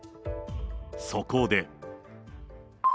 そこで。